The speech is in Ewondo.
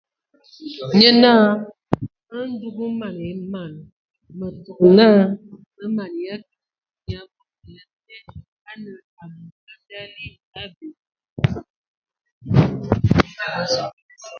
Nye naa : Ee ! Ndzug o nǝman ma! Mǝtsɔ mə sɔ mə nǝ ma eki, Nyiabibode a nǝ ma abum a nda ali abe !